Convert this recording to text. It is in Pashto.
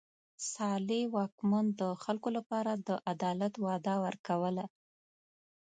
صالح واکمن د خلکو لپاره د عدالت وعده ورکوله.